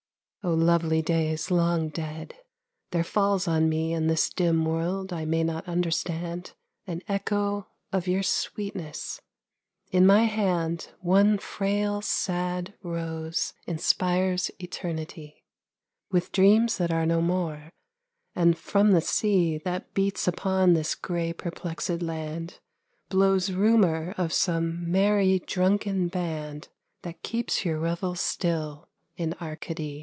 Oh, lovely days long dead ! There falls on me In this dim world I may not understand An echo of your sweetness ; in my hand One frail, sad rose inspires eternity With dreams that are no more, and from the sea That beats upon this grey perplexed land, Blows rumour of some merry drunken band That keeps your revels still in Arcady.